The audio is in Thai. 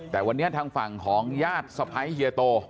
แต่วันนี้ทางฝั่งของญาติสะพ้ายเฮียโต